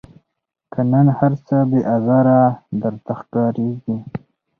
که نن هرڅه بې آزاره در ښکاریږي